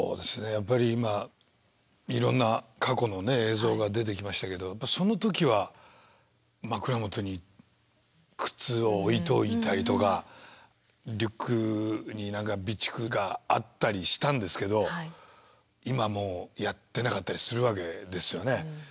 やっぱり今いろんな過去の映像が出てきましたけどその時は枕元に靴を置いておいたりとかリュックに備蓄があったりしたんですけど今もうやってなかったりするわけですよね。